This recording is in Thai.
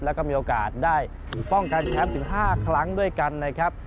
แล้วก็มีโอกาสได้ป้องกันแชมป์ถึง๕ครั้งด้วยกันนะครับ